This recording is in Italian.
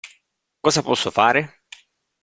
Cosa posso fare?